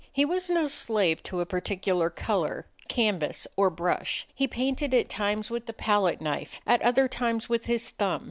He was no slave to a peculiar color, canvas or brush. He painted at times with a palette knife: at other times with his thumb.